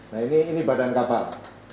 nah ini badan kapal